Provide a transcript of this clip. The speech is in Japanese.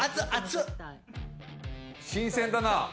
新鮮だなあ。